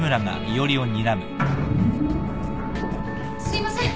すいません